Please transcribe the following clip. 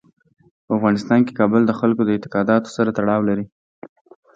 په افغانستان کې کابل د خلکو د اعتقاداتو سره تړاو لري.